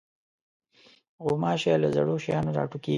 غوماشې له زړو شیانو راټوکېږي.